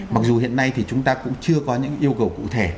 mặc dù hiện nay thì chúng ta cũng chưa có những yêu cầu cụ thể